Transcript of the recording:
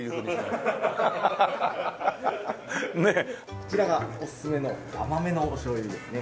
こちらがおすすめの甘めのお醤油ですね。